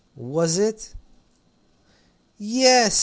"Was it?" "Yes.